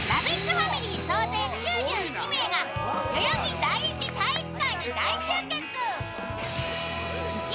ファミリー総勢９１名が代々木第一体育館に大集結。